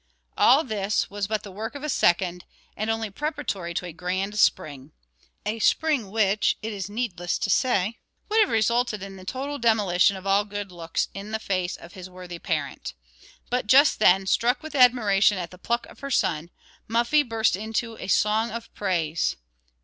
All this was but the work of a second, and only preparatory to a grand spring a spring which, it is needless to say, would have resulted in the total demolition of all good looks in the face of his worthy parent. But, just then, struck with admiration at the pluck of her son, Muffie burst into a song of praise.